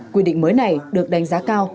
quy định mới này được đánh giá cao